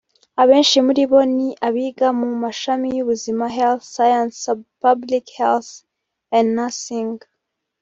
Abenshi muri bo ni abiga mu mashami y’Ubuzima “Health Sciences” (Public Health & Nursing)